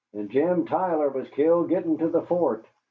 "And Jim Tyler was killed gittin' to the fort.